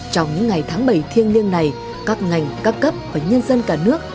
trong những ngày tháng bảy thiêng liêng này các ngành các cấp và nhân dân cả nước